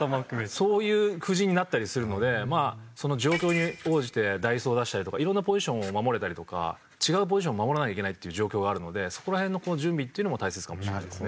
そういう布陣になったりするのでその状況に応じて代走を出したりとか色んなポジションを守れたりとか違うポジションを守らなきゃいけないっていう状況があるのでそこら辺の準備っていうのも大切かもしれないですね。